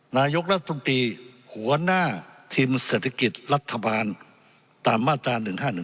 นายกรัฐมนตรีหัวหน้าทีมเศรษฐกิจรัฐบาลตามมาตรา๑๕๑